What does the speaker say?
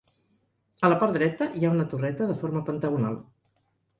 A la part dreta hi ha una torreta de forma pentagonal.